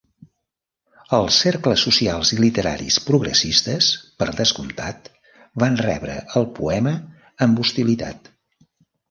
Els cercles socials i literaris progressistes, per descomptat, van rebre el poema amb hostilitat.